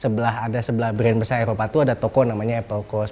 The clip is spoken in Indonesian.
sebelah ada sebuah brand besar eropa tuh ada toko namanya apple cost